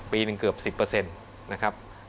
ปีหนึ่งเกือบ๑๐นะครับ